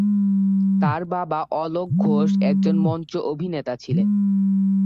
তার বাবা অলোক ঘোষ একজন মঞ্চ অভিনেতা ছিলেন।